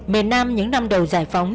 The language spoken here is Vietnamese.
mềm nam những năm đầu giải phóng